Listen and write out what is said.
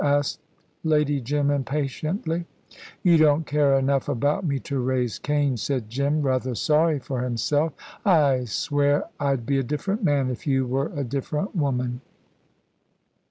asked Lady Jim, impatiently. "You don't care enough about me to raise Cain," said Jim, rather sorry for himself. "I swear I'd be a different man, if you were a different woman."